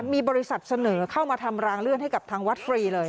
มีบริษัทเสนอเข้ามาทำรางเลื่อนให้กับทางวัดฟรีเลย